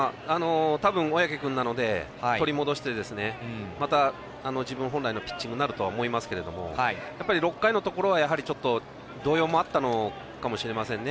小宅君なので取り戻してまた自分本来のピッチングになると思いますけど６回のところはちょっと動揺もあったのかもしれませんね。